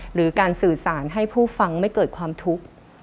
หรือการสื่อสารให้ผู้ฟังไม่เกิดความทุกข์